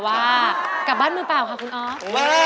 ว่ากลับบ้านมือเปล่าค่ะคุณออฟ